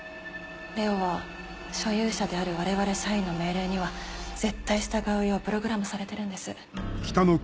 ＬＥＯは所有者である我々社員の命令には絶対従うようプログラムされてるんです。